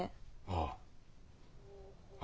ああ。